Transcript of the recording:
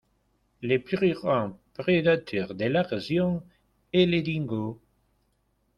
Le plus grand prédateur de la région est le dingo.